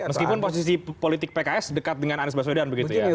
meskipun posisi politik pks dekat dengan anies baswedan begitu ya